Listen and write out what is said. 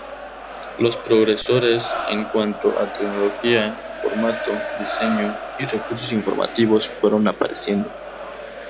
Los progresos en cuanto a tecnología, formato, diseño y recursos informativos fueron apareciendo.